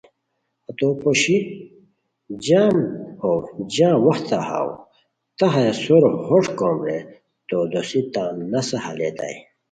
ہتو پوشی جام ہو جام وختہ ہاؤ، تہ ہیہ سورو ہوݯ کوم رے تو دوسی تان نسہ ہالیتائے